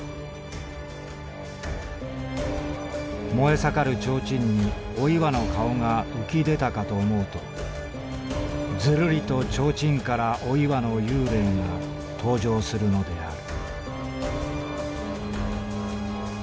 「燃え盛る提灯にお岩の顔が浮き出たかと思うとズルリと提灯からお岩の幽霊が登場するのである」。